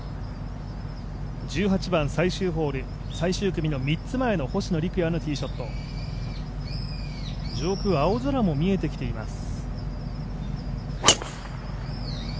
１８番最終ホール、最終組の３つ前の星野陸也のティーショット上空、青空も見えてきています。